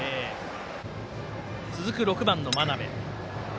続く６番の真鍋。